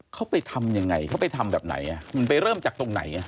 เขาไปทำยังไงเขาไปทำแบบไหนมันไปเริ่มจากตรงไหน